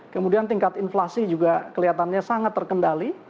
kemudian tingkat inflasi juga kelihatannya sangat terkendali